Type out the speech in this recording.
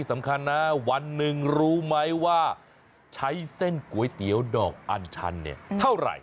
สำคัญนะวันหนึ่งรู้ไหมว่าใช้เส้นก๋วยเตี๋ยวดอกอันชันเนี่ยเท่าไหร่